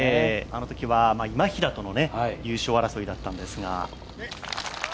あのときは今平との優勝争いだったんですが。